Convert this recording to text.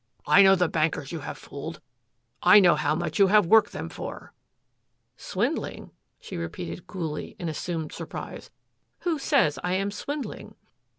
"I know the bankers you have fooled. I know how much you have worked them for." "Swindling?" she repeated coolly, in assumed surprise. "Who says I am swindling?"